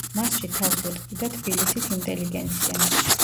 მასში თავს იყრიდა თბილისის ინტელიგენცია.